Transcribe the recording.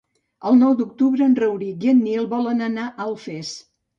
El nou d'octubre en Rauric i en Nil volen anar a Alfés.